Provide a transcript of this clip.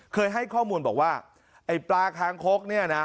ให้ข้อมูลบอกว่าไอ้ปลาคางคกเนี่ยนะ